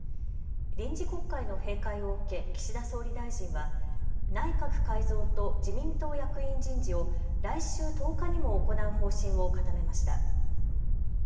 臨時国会の閉会を受け岸田総理大臣は内閣改造と自民党役員人事を来週１０日にも行う方針を固めました。